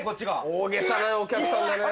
大げさなお客さんだね。